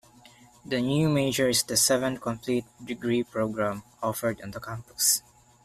The new major is the seventh complete degree program offered on the campus.